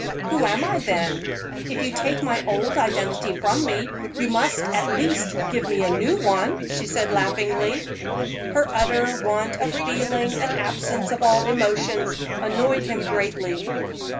"Who am I, then? If you take my old identity from me, you must, at least, give me a new one," she said, laughingly. Her utter want of feeling and absence of all emotions annoyed him greatly.